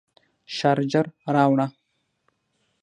شارجر راوړه